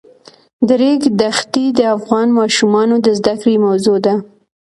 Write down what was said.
د ریګ دښتې د افغان ماشومانو د زده کړې موضوع ده.